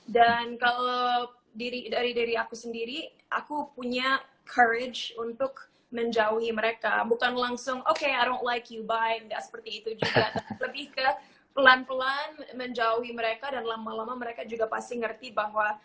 dan kalau dari diri aku sendiri aku punya courage untuk menjauhi mereka bukan langsung okay i don't like you bye gak seperti itu juga lebih ke pelan pelan menjauhi mereka dan lama lama mereka juga pasti gak bisa berhubungan dengan kita